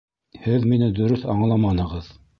Һеҙ мине дөрөҫ аңламанығыҙ